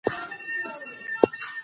هویت به ټینګ پاتې وي.